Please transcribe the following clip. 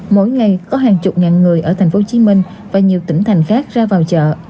mỗi ngày có hàng chục ngàn người ở thành phố hồ chí minh và nhiều tỉnh thành khác ra vào chợ